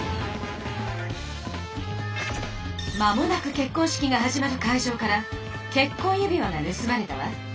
間もなく結婚式が始まる会場から結婚指輪が盗まれたわ。